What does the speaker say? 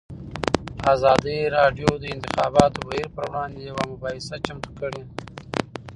ازادي راډیو د د انتخاباتو بهیر پر وړاندې یوه مباحثه چمتو کړې.